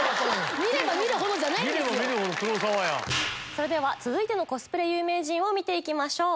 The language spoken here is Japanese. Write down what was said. それでは続いてのコスプレ有名人見ていきましょう。